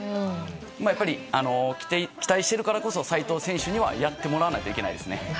やっぱり、期待しているからこそ齋藤選手にはやってもらわないといけないですね。